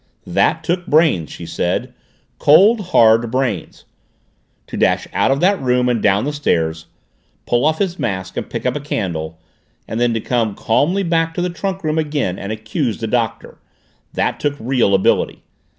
"That took brains," she said. "Cold, hard brains. To dash out of that room and down the stairs, pull off his mask and pick up a candle, and then to come calmly back to the trunk room again and accuse the Doctor that took real ability.